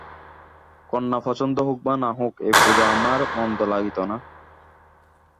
কন্যা পছন্দ হউক বা না হউক, এই পূজা আমার মন্দ লাগিত না।